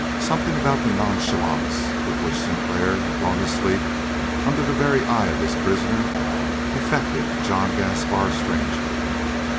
Something about the nonchalance with which Sinclair had gone to sleep under the very eye of his prisoner affected John Gaspar strangely.